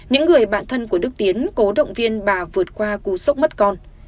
những người bạn thân của đức tiến cố động viên bà vượt qua cú sốc mất con